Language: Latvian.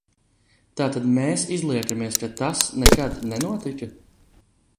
Tātad mēs izliekamies, ka tas nekad nenotika?